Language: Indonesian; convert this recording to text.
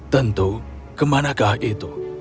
tentu kemana ke itu